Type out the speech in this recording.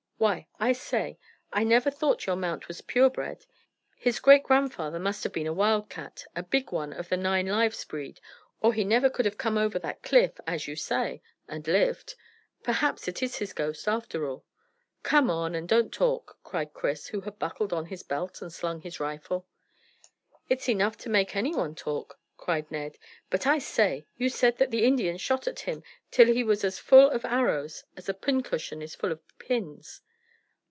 Why, I say, I never thought your mount was pure bred. His great grandfather must have been a wildcat, a big one of the nine lives breed, or he never could have come over that cliff, as you say, and lived. Perhaps it is his ghost, after all." "Come on, and don't talk," cried Chris, who had buckled on his belt and slung his rifle. "It's enough to make any one talk," cried Ned. "But, I say, you said that the Indians shot at him till he was as full of arrows as a pincushion is full of pins."